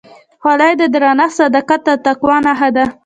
خولۍ د درنښت، صداقت او تقوا نښه ده.